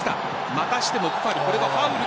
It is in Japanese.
またしてもブファル。